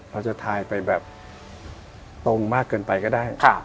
เราจะทายไปแบบตรงมากเกินไปก็ได้